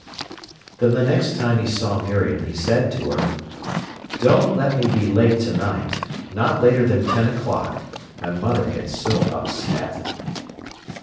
Then the next time he saw Miriam he said to her: "Don't let me be late to night—not later than ten o'clock. My mother gets so upset."